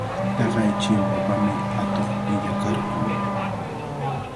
Taqay chimpapami atuq illakarqun.